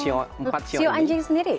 oh sio anjing sendiri